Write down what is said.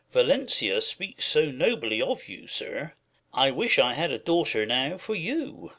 Valencia speaks so nobly of you, sir, I wish I had a daughter now for you.